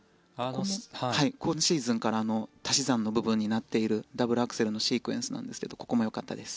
今シーズンから足し算の部分になっているダブルアクセルのシークエンスなんですがここもよかったです。